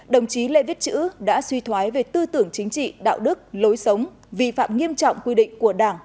đồng chí lê viết chữ đã suy thoái về tư tưởng chính trị đạo đức lối sống vi phạm nghiêm trọng quy định của đảng